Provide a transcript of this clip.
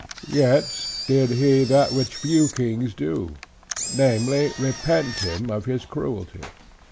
Yet did he that which few kings do; namely, repent him of his cruelty.